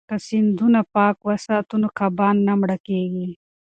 که سیندونه پاک وساتو نو کبان نه مړه کیږي.